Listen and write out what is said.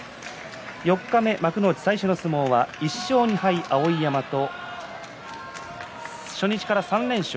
四日目、幕内最初の相撲は１勝２敗、碧山と初日から３連勝。